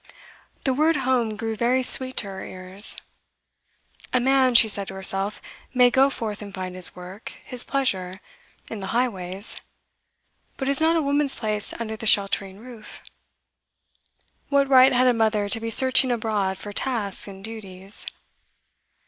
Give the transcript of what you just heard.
The word 'home' grew very sweet to her ears. A man, she said to herself, may go forth and find his work, his pleasure, in the highways; but is not a woman's place under the sheltering roof? What right had a mother to be searching abroad for tasks and duties?